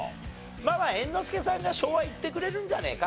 まあまあ猿之助さんが昭和いってくれるんじゃねえか？